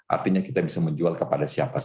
artinya kita bisa menjual kepada siapa saja